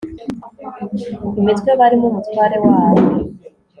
imitwe barimo Umutware wabo